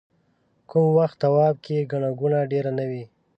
کوم وخت طواف کې ګڼه ګوڼه ډېره نه وي.